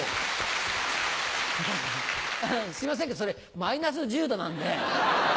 あのすいませんけどそれマイナス１０℃なんで。